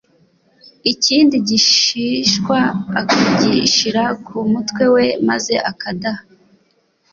ikindi gishishwa akagishyira ku mutwe we, maze akadaha,i